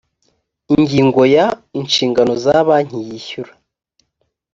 ingingo ya inshingano za banki yishyura